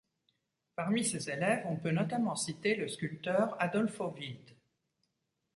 Parmi ses élèves, on peut notamment citer le sculpteur Adolfo Wildt.